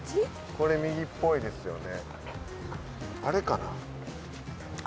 これ右っぽいですよね。